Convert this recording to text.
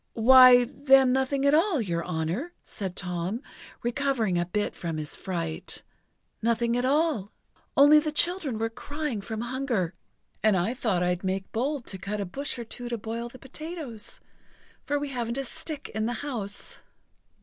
"Why, then, nothing at all, your honour!" said Tom, recovering a bit from his fright, "nothing at all! Only the children were crying from hunger, and I thought I'd make bold to cut a bush or two to boil the potatoes, for we haven't a stick in the house."